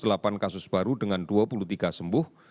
kalimantan jawa barat dua puluh kasus baru dengan dua puluh tiga sembuh